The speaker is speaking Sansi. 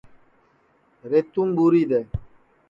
ریتُوم ٻوری دؔے